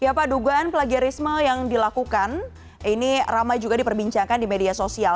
ya pak dugaan plagiarisme yang dilakukan ini ramai juga diperbincangkan di media sosial